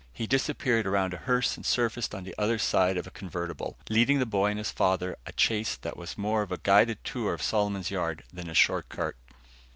He disappeared around a hearse, and surfaced on the other side of a convertible, leading the boy and his father a chase that was more a guided tour of Solomon's yard than a short cut.